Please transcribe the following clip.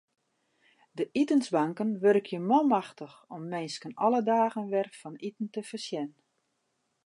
De itensbanken wurkje manmachtich om minsken alle dagen wer fan iten te foarsjen.